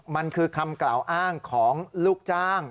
มันคือคำกล่าวอ้างของลูกจ้าง